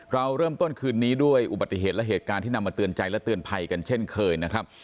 เราเริ่มต้นคืนนี้ด้วยอุบัติเหตุและเหตุการณ์ที่นำมาเตือนใจและเตือนภัยกันเช่นเคยนะครับ